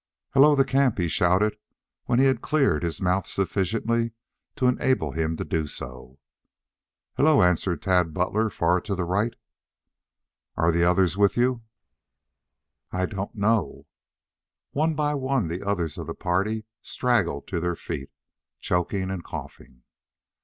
"Hallo, the camp!" he shouted when he had cleared his mouth sufficiently to enable him to do so. "Hello!" answered Tad Butler far to the right. "Are the others with you?" "I don't know." One by one the others of the party straggled to their feet, choking and coughing.